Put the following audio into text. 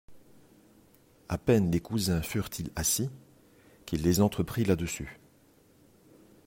A peine les cousins furent-ils assis, qu'il les entreprit là-dessus.